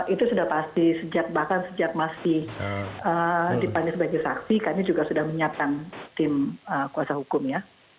itu sudah pasti sejak bahkan sejak masih dipanggil sebagai saksi kami juga sudah menyiapkan tim kuasa hukum ya